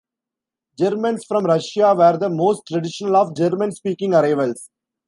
Germans from Russia were the most traditional of German-speaking arrivals.